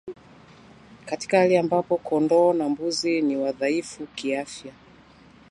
Katika hali ambapo kondoo na mbuzi ni wadhaifu kiafya